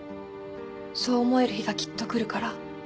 そう思える日がきっと来るから。